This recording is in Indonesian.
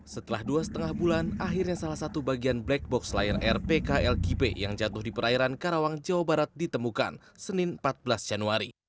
setelah dua lima bulan akhirnya salah satu bagian black box layar rpk lkp yang jatuh di perairan karawang jawa barat ditemukan senin empat belas januari